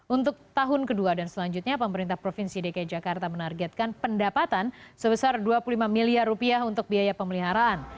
untuk tahun kedua dan selanjutnya pemerintah provinsi dki jakarta menargetkan pendapatan sebesar dua puluh lima miliar rupiah untuk biaya pemeliharaan